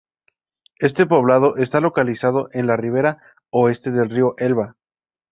Este poblado está localizado en la ribera oeste del río Elba.